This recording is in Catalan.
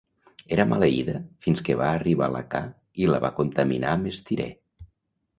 Era maleïda fins que va arribar la ca i la va contaminar amb estirè.